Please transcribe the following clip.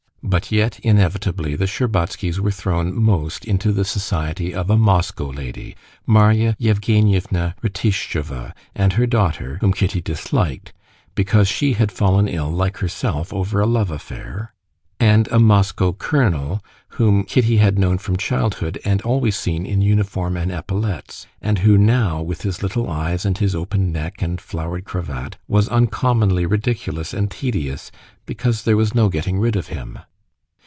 But yet inevitably the Shtcherbatskys were thrown most into the society of a Moscow lady, Marya Yevgenyevna Rtishtcheva and her daughter, whom Kitty disliked, because she had fallen ill, like herself, over a love affair, and a Moscow colonel, whom Kitty had known from childhood, and always seen in uniform and epaulets, and who now, with his little eyes and his open neck and flowered cravat, was uncommonly ridiculous and tedious, because there was no getting rid of him.